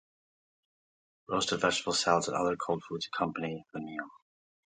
Roasted vegetables, salads and other cold foods accompany the meal.